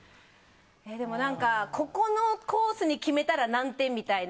でも、ここのコースに決めたら何点みたいな。